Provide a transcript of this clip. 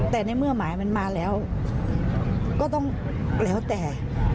แต่ในเมื่อหมายมันมาแล้วก็ต้องแล้วแต่